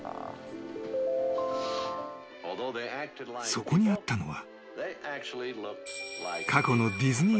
［そこにあったのは］